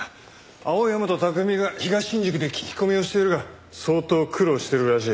青山と拓海が東新宿で聞き込みをしているが相当苦労してるらしい。